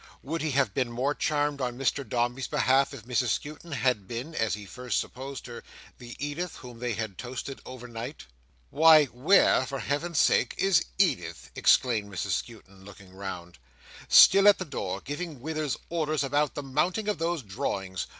Would he have been more charmed on Mr Dombey's behalf, if Mrs Skewton had been (as he at first supposed her) the Edith whom they had toasted overnight? "Why, where, for Heaven's sake, is Edith?" exclaimed Mrs Skewton, looking round. "Still at the door, giving Withers orders about the mounting of those drawings!